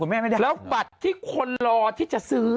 มีคนรอที่จะซื้อ